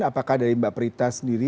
apakah dari mbak prita sendiri